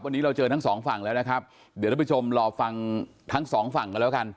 วันนี้เราเจอทั้งสองฝั่งแล้วนะครับเดี๋ยวท่านผู้ชมรอฟังทั้งสองฝั่งกันแล้วกัน